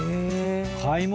買い物。